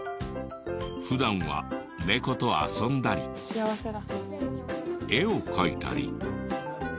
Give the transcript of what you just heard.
普段は猫と遊んだり絵を描いたり。